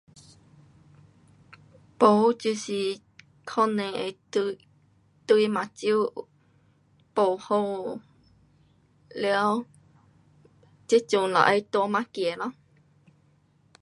不，就是可能会对，对眼睛不好，了这阵就是要戴眼镜咯。